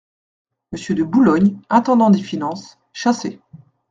Monsieur de Boulogne, intendant des finances, chassé.